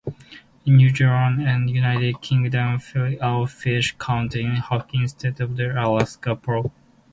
In New Zealand and the United Kingdom Filet-O-Fish contains hoki instead of Alaska pollock.